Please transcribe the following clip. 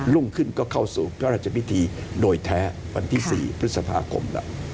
รุ่งขึ้นก็เข้าสู่พระราชพิธีโดยแท้วันที่๔พฤษภาคมแล้ว